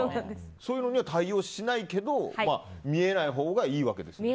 そういうのには対応しないけど見えないほうがいいわけですね。